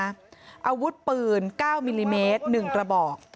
อาวุธปืน๙มิลลิเมตร๑กระบอก